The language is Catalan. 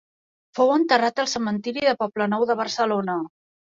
Fou enterrat al Cementiri del Poblenou de Barcelona.